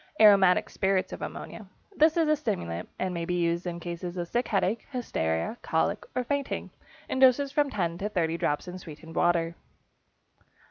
=Aromatic Spirits of Ammonia.= This is a stimulant, and may be used in cases of sick headache, hysteria, cholic, or fainting, in doses of from 10 to 30 drops in sweetened water.